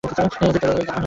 Engine চলছে না।